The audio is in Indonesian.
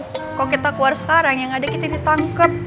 kalau kita keluar sekarang yang ada kita ditangkap